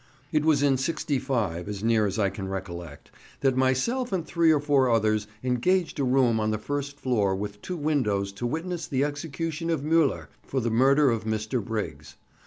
It was in '65, as near as I can recollect, that myself and three or four others engaged a room on the first floor with two windows to witness the execution of Müller for the murder of Mr. Briggs.